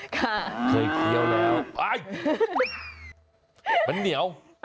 ค่ะอ้าวมันเหนียว